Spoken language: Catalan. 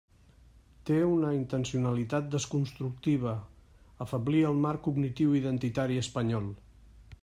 Té una intencionalitat desconstructiva: afeblir el marc cognitiu-identitari espanyol.